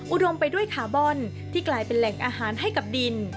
อุดมไปด้วยคาร์บอนที่กลายเป็นแหล่งอาหารให้กับดิน